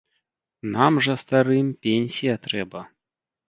Нам жа, старым, пенсія трэба.